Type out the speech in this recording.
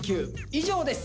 以上です。